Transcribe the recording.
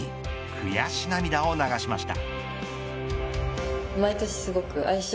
悔し涙を流しました。